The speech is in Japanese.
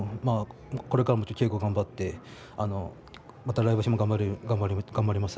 これからも稽古を頑張ってまた来場所も頑張るように頑張ります。